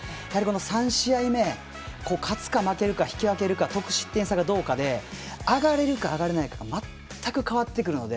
３試合目、勝つか負けるか引き分けるか得失点差がどうかで上がれるか上がれないかが全く変わってくるので。